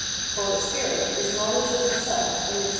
For spirit is knowledge of itself in * e.